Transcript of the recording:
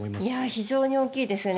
非常に大きいですよね。